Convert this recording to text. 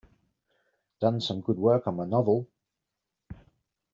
Done some good work on my novel.